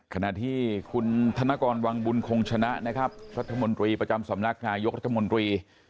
ขณะที่คุณธนกรวังบุญคงชนะนะครับรัฐมนตรีประจำสำนักนายกรัฐมนตรี